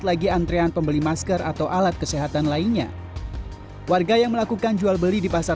lagi antrean pembeli masker atau alat kesehatan lainnya warga yang melakukan jual beli di pasar